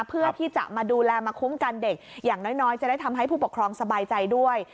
เพื่อที่จะมาดูแลมาคุ้มกันเด็กอย่างน้อยจะได้ทำให้ผู้ปกครองสบายใจด้วย